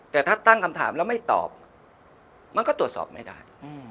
แต่ถ้าตั้งคำถามแล้วไม่ตอบมันก็ตรวจสอบไม่ได้